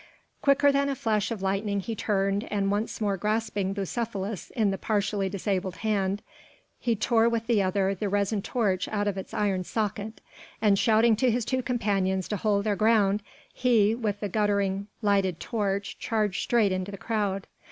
Quicker than a flash of lightning he turned, and once more grasping Bucephalus in the partially disabled hand he tore with the other the resin torch out of its iron socket, and shouting to his two companions to hold their ground he, with the guttering lighted torch charged straight into the crowd.